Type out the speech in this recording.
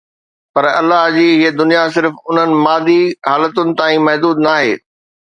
پر الله جي هيءَ دنيا صرف انهن مادي حالتن تائين محدود ناهي